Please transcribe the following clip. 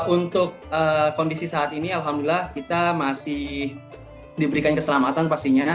untuk kondisi saat ini alhamdulillah kita masih diberikan keselamatan pastinya